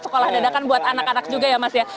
sekolah dadakan buat anak anak juga ya mas ya